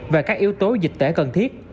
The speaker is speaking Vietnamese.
và các yếu tố dịch tễ cần thiết